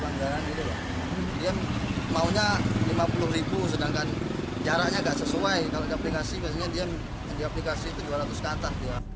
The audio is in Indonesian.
kalau diaplikasi maksudnya diaplikasi dua ratus kata